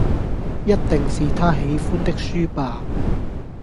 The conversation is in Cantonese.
一定是他喜歡的書吧！